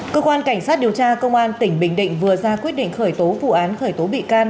cơ quan cảnh sát điều tra công an tỉnh bình định vừa ra quyết định khởi tố vụ án khởi tố bị can